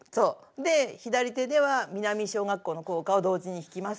で左手では南小学校の校歌を同時に弾きます！